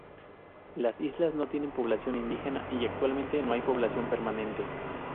Las islas no tienen población indígena y actualmente no hay población permanente.